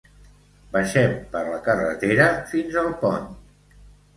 Baixem per la carretera fins al pont